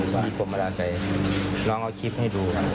พี่ผมมาลาใส่น้องเอาคลิปให้ดู